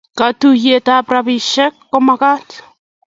Katuiyet ab ropishek komakat